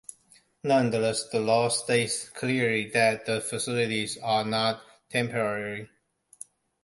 Nonetheless, the law states clearly that the facilities are not temporary.